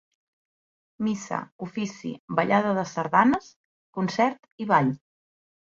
Missa, ofici, ballada de sardanes, concert i ball.